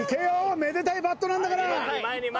めでたいバットなんだから。